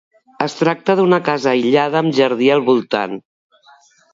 Es tracta d'una casa aïllada amb jardí al voltant.